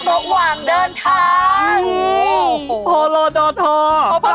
โหลโดทษโหลโดทษโหลโดทษโหลโดทษ